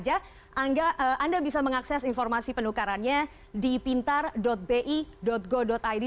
anda bisa mengakses informasi penukarannya di pintar bi go id